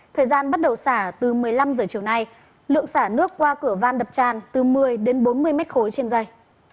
thời gian bắt đầu xả từ một mươi năm h chiều nay lượng xả nước qua cửa van đập tràn từ một mươi đến bốn mươi mét khối trên dây